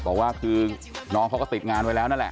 บอกว่าคือน้องเขาก็ติดงานไว้แล้วนั่นแหละ